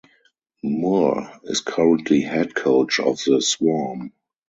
Moore is currently head coach of the Swarm.